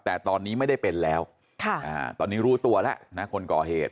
แต่ตอนนี้ไม่ได้เป็นแล้วตอนนี้รู้ตัวแล้วนะคนก่อเหตุ